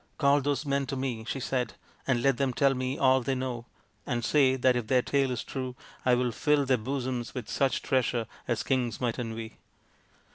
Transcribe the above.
" Call those men to me," she said, " and let them tell me all they know, and say that if their tale is true, I will fill their bosoms with such treasure as kings might envy."